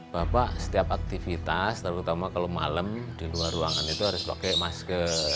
bapak setiap aktivitas terutama kalau malam di luar ruangan itu harus pakai masker